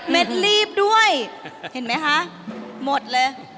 ลีบด้วยเห็นไหมคะหมดเลย